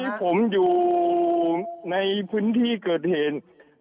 ที่ผมอยู่ในพื้นที่เกิดเหตุ